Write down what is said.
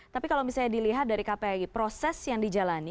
tapi kalau misalnya dilihat dari kpi proses yang dijalani